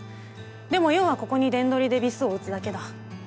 でも要はここに電ドリでビスを打つだけだ。